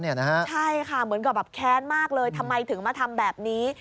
ใช่ค่ะเหมือนกับแบบแค้นมากเลยทำไมถึงมาทำแบบนี้